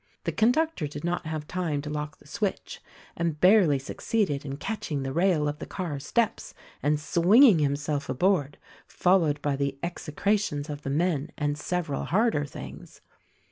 The conductor did not have time to lock the switch, and barely succeeded in catching the rail of the car steps and swinging himself aboard— followed by the execrations of the men, and several harder things.